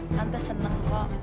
nanti seneng kok